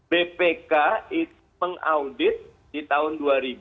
bpk itu mengaudit di tahun dua ribu